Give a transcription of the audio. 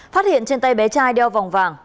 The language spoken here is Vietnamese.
phát hiện trên tay bé trai đeo vòng vàng